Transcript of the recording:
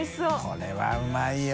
これはうまいよ。